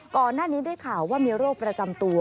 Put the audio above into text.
ก่อนหน้านี้ได้ข่าวว่ามีโรคประจำตัว